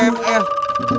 lihat jam di hp